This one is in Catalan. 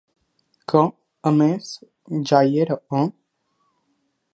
Que, a més, ja hi era, eh?